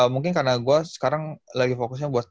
mungkin karena gue sekarang lagi fokusnya buat